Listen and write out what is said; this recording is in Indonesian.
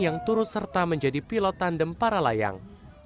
yang turut serta menjadi pilot tandem para layang